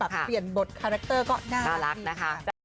เปลี่ยนบทคาแรคเตอร์ก็น่ารักนะคะ